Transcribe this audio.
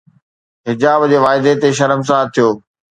حجاب جي واعدي تي شرمسار ٿيو